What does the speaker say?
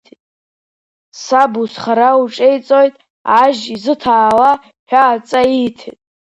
Саб узхара уҿеиҵоит, ажь изыҭаала ҳәа адҵа ииҭеит.